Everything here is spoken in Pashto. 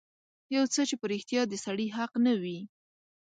يو څه چې په رښتيا د سړي حق نه وي.